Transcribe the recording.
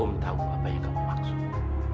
kaum tahu apa yang kamu maksud